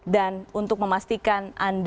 dan untuk memastikan anda